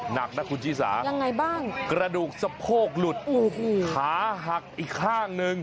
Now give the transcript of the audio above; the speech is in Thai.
หนักนะคุณชิสายังไงบ้างกระดูกสะโพกหลุดขาหักอีกข้างหนึ่ง